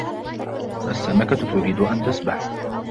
السمكة تريد أن تسبح.